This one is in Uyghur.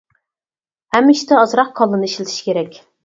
ھەممە ئىشتا ئازراق كاللىنى ئىشلىتىش كېرەك.